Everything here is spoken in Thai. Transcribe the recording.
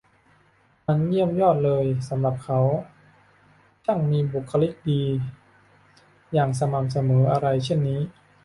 มันเยี่ยมยอดเลยสำหรับเขา ช่างมีบุคคลิกดีอย่างสม่ำเสมออะไรเช่นนี้